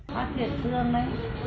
phát thiệt thương đấy